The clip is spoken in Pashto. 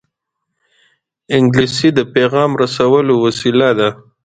انګلیسي د پېغام رسولو وسیله ده